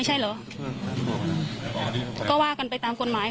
เอียดละผู้เสียหาย